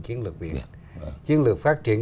chiến lược biển chiến lược phát triển